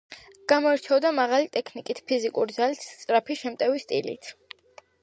გამოირჩეოდა მაღალი ტექნიკით, ფიზიკური ძალით, სწრაფი, შემტევი სტილით.